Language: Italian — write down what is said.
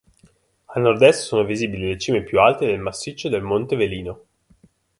A nordest sono visibili le cime più alte del massiccio del monte Velino.